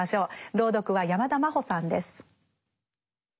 朗読は山田真歩さんです。